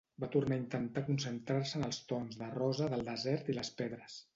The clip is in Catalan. Va tornar a intentar concentrar-se en els tons de rosa del desert i les pedres.